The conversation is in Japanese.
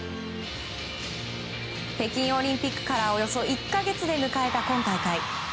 北京オリンピックからおよそ１か月で迎えた今大会。